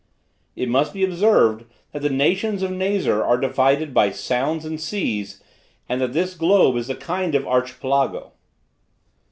It must be observed that the nations of Nazar are divided by sounds and seas, and that this globe is a kind of Archipelago.